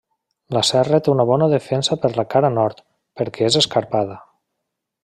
La serra té una bona defensa per la cara nord, perquè és escarpada.